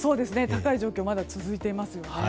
高い状況が続いています。